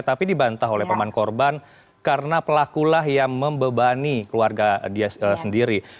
tapi dibantah oleh paman korban karena pelakulah yang membebani keluarga dia sendiri